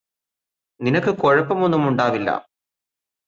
നിനക്ക് കുഴപ്പമൊന്നുമുണ്ടാവില്ലാ